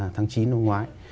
tháng chín năm ngoái